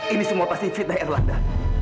ini semua pasti fitnah erlanda